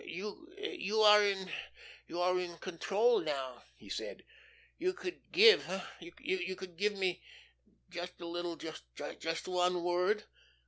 "You you are in you are in control now," he said. "You could give hey? You could give me just a little just one word.